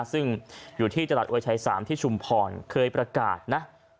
ซึ่งอยู่ที่ตลาดอวยชัย๓ที่ชุมพรเคยประกาศนะ